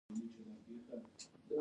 په کابل کې د عجم یوه طایفه اوسیږي.